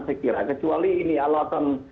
saya kira kecuali ini alasan